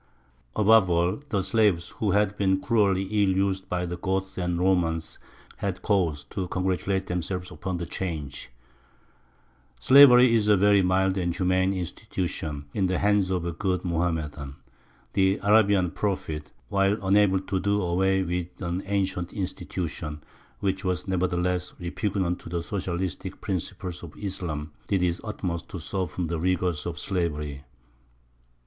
Above all, the slaves, who had been cruelly ill used by the Goths and Romans, had cause to congratulate themselves upon the change. Slavery is a very mild and humane institution in the hands of a good Mohammedan. The Arabian Prophet, while unable to do away with an ancient institution, which was nevertheless repugnant to the socialistic principles of Islam, did his utmost to soften the rigours of slavery.